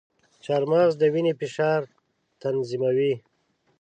چارمغز د وینې فشار تنظیموي.